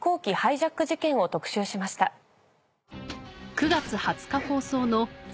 ９月２０日放送の『ザ！